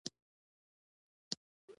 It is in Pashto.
بازار کې زهر دی دوانشته